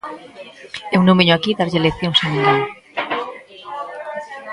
Eu non veño aquí darlle leccións a ninguén.